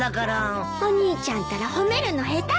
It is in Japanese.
お兄ちゃんったら褒めるの下手ねえ。